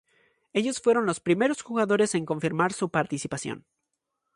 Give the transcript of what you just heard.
Ellos fueron los primeros jugadores en confirmar su participación.